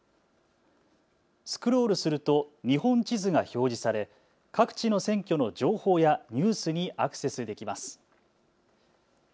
スクロールすると日本地図が表示され各地の選挙の情報やニュースにアクセスできます。